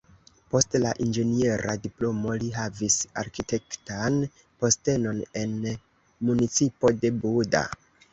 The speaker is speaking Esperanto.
Post la inĝeniera diplomo li havis arkitektan postenon en municipo de Buda.